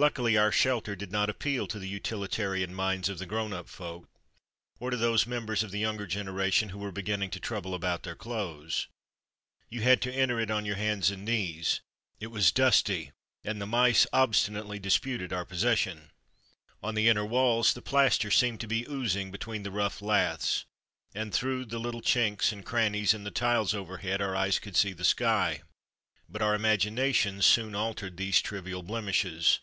Luckily our shelter did not appeal to the utilitarian minds of the grown up folk or to those members of the younger generation who were beginning to trouble about their clothes. You had to enter it on your hands and knees ; it was dusty, and the mice obstinately disputed our possession. On the inner walls the plaster AN ENCHANTED PLACE 3 seemed to be oozing between the rough laths, and through little chinks and crannies in the tiles overhead our eyes could see the sky. But our imaginations soon altered these trivial blemishes.